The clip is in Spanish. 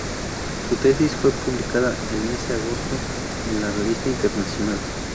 Su tesis fue publicada ese agosto en la Revista Internacional.